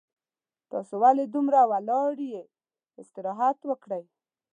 تاسو ولې دومره ولاړ یي استراحت وکړئ